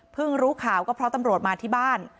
รู้ข่าวก็เพราะตำรวจมาที่บ้าน